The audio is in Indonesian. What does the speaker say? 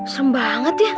serem banget ya